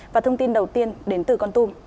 và thông tin đầu tiên đến từ con tum